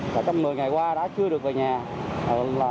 và trong một mươi ngày qua đã chưa được về nhà